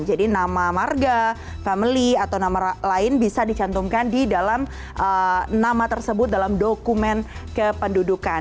nama marga family atau nama lain bisa dicantumkan di dalam nama tersebut dalam dokumen kependudukan